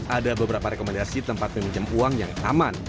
ada beberapa rekomendasi tempat meminjam uang yang aman